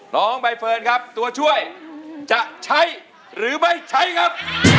น้องใบเฟิร์นครับตัวช่วยจะใช้หรือไม่ใช้ครับ